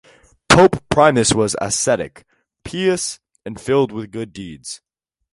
Pope Primus was ascetic, pious, and filled with good deeds.